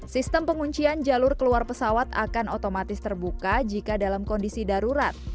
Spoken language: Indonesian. sistem penguncian jalur keluar pesawat akan otomatis terbuka jika dalam kondisi darurat